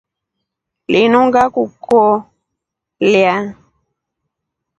Linu ngakuloleya.